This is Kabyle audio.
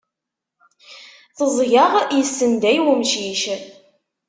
Teẓẓgeɣ, yessenday umcic.